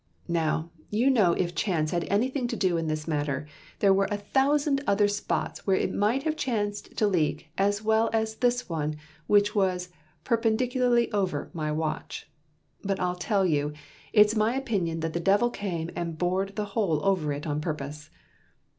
"Now, you know if chance had anything to do in this matter, there were a thousand other spots where it might have chanced to leak as well as this one which was perpendicularly over my watch. But I'll tell you, it's my opinion that the Devil came and bored the hole over it on purpose.